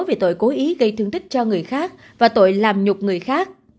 về tội cố ý gây thương tích cho người khác và tội làm nhục người khác